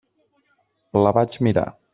La vaig mirar.